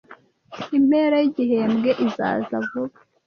Impera yigihembwe izaza vuba.